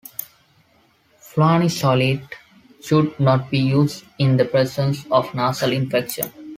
Flunisolide should not be used in the presence of nasal infection.